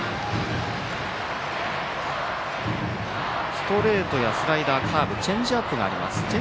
ストレートやスライダー、カーブチェンジアップがあります。